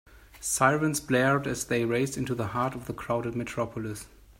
Sirens blared as they raced into the heart of the crowded metropolis.